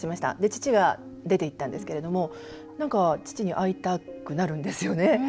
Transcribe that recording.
父が出ていったんですけれどもなんか父に会いたくなるんですよね。